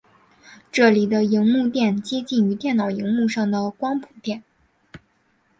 这里的萤幕靛接近于电脑萤幕上的光谱靛。